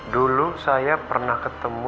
dulu saya pernah ketemu